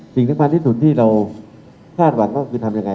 สิ่งสำคัญที่สุดที่เราคาดหวังก็คือทำยังไง